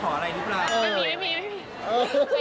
ไม่มีเดี๋ยวหวัง